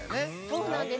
そうなんです。